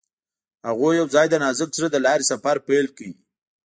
هغوی یوځای د نازک زړه له لارې سفر پیل کړ.